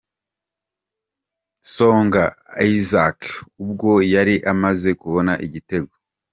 Songa Isaie ubwo yari amaze kubona igitego.